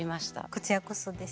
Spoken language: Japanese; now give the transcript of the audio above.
こちらこそです。